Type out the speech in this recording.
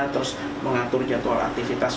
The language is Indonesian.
terus mengatur jadwal aktivitas